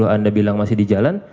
anda bilang masih di jalan